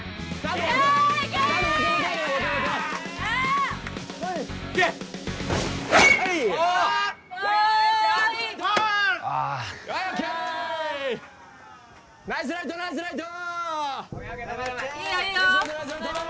ドンマイ・ナイスライトナイスライト！